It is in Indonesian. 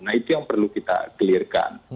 nah itu yang perlu kita clear kan